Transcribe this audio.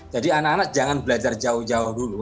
jadi anak anak jangan belajar jauh jauh dulu